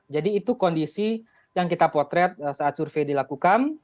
jadi itu kondisi yang kita potret saat survei dilakukan